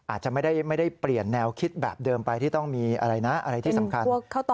อาจจะไม่ได้เปลี่ยนแนวคิดแบบเดิมไปที่ต้องมีอะไรนะอะไรที่สำคัญ